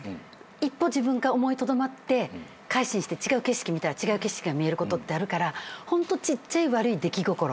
一歩自分が思いとどまって改心して違う景色見たら違う景色が見えることってあるからホントちっちゃい悪い出来心。